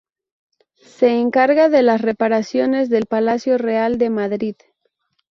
Se encarga de las reparaciones del Palacio Real de Madrid.